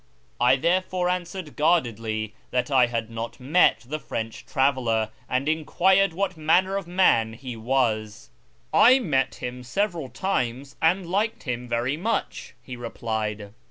I therefore answered guardedly that I had not met the French traveller, and enquired what manner of man he was. " I met him several times and liked him very much," he replied.